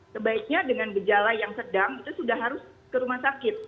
sebaiknya dengan gejala yang sedang itu sudah harus ke rumah sakit